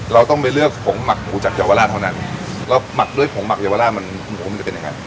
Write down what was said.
เราต้องไปเลือกผงหมักหมูจากเยาวราชเท่านั้นแล้วหมักด้วยผงหมักเยาวราชมันคุ้มจะเป็นยังไง